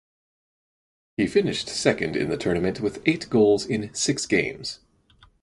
He finished second in the tournament with eight goals in six games.